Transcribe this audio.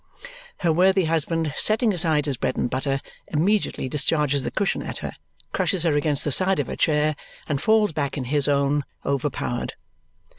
Her worthy husband, setting aside his bread and butter, immediately discharges the cushion at her, crushes her against the side of her chair, and falls back in his own, overpowered.